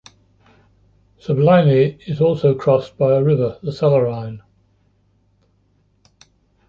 Subligny is also crossed by a river, the Salereine.